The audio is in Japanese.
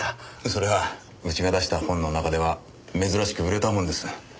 それはうちが出した本の中では珍しく売れた本です。